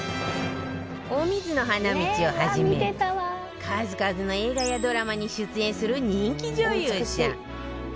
『お水の花道』をはじめ数々の映画やドラマに出演する人気女優さん